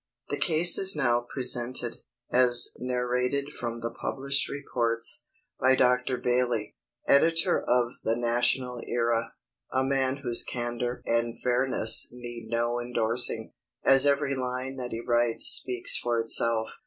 The case is now presented, as narrated from the published reports, by Dr. Bailey, editor of the National Era; a man whose candor and fairness need no indorsing, as every line that he writes speaks for itself.